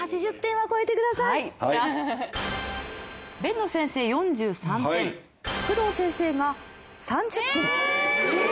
辨野先生４３点工藤先生が３０点。えっ！